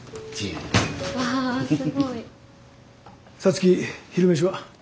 皐月昼飯は？